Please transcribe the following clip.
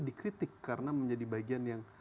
dikritik karena menjadi bagian yang